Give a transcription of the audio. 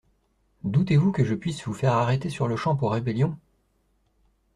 Doutez-vous que je puisse vous faire arrêter sur-le-champ pour rébellion?